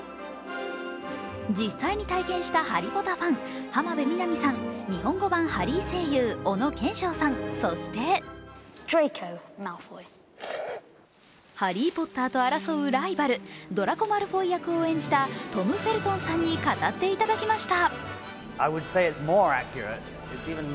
実際に体験したハリポタファン浜辺美波さん、日本語版ハリー声優、小野賢章さん、そしてハリー・ポッターと争うライバル、ドラコ・マルフォイ役を演じたトム・フェルソンさんに語っていただきました。